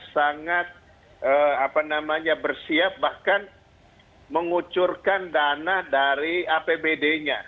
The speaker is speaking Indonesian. sangat bersiap bahkan mengucurkan dana dari apbd nya